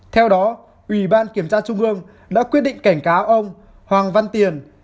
theo đó ủy ban kiểm tra trung ương đã quyết định cảnh cáo ông hoàng văn tiền